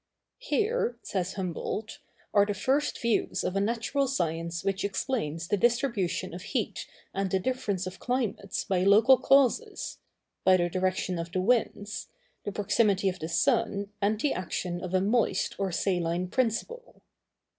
"Here," says Humboldt, "are the first views of a natural science which explains the distribution of heat and the difference of climates by local causes—by the direction of the winds—the proximity of the sun, and the action of a moist or saline principle."